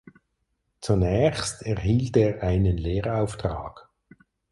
Zunächst erhielt er einen Lehrauftrag.